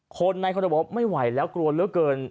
คนในคอนโดไม่ไหวแล้วกลัวเหลือเกิน